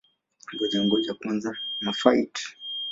Ngoja-ngoja kwanza na-fight!